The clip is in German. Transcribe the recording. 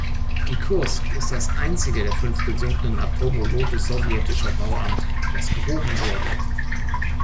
Die "Kursk" ist das einzige der fünf gesunkenen Atom-U-Boote sowjetischer Bauart, das gehoben wurde.